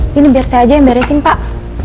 sini biar saya aja yang beresin pak